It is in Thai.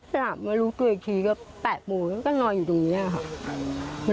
กลับมารู้ตัวอีกทีก็๘โมงแล้วก็นอนอยู่ตรงนี้ค่ะ